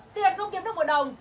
tiền không kiếm thức của đồng